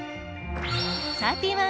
サーティーワン